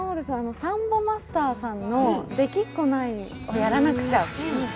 サンボマスターさんの「できっこないをやらなくちゃ」